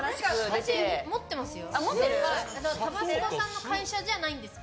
私持ってますよ。